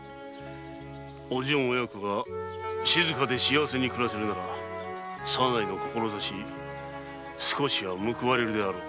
お順親子が静かで幸せに暮らせるなら左内の志少しは報われるであろう。